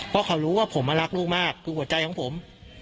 เพราะเขารู้ว่าผมรักลูกมากคือหัวใจของผม